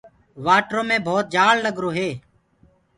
وآٽرو مي ڀَوت جآلگرو هي۔